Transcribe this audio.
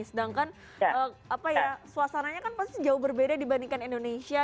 sedangkan suasananya kan pasti jauh berbeda dibandingkan indonesia